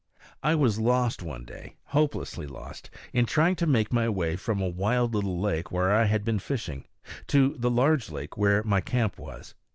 I was lost one day, hopelessly lost, in trying to make my way from a wild little lake where I had been fishing, to the large lake where my camp was.